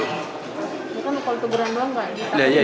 bukan kalau teguran doang pak